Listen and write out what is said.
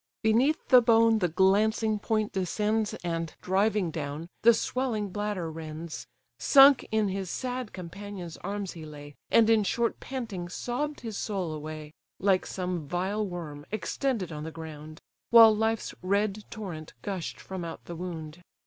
Beneath the bone the glancing point descends, And, driving down, the swelling bladder rends: Sunk in his sad companions' arms he lay, And in short pantings sobb'd his soul away; (Like some vile worm extended on the ground;) While life's red torrent gush'd from out the wound.